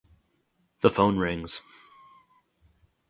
The phone rings.